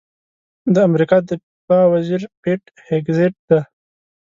د امریکا دفاع وزیر پیټ هېګسیت دی.